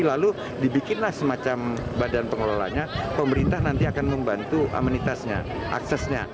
lalu dibikinlah semacam badan pengelolanya pemerintah nanti akan membantu amenitasnya aksesnya